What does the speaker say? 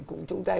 cũng chung tay